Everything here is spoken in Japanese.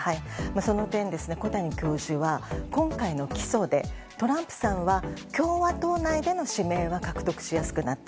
その点、小谷教授は今回の起訴でトランプさんは共和党内での指名は獲得しやすくなった。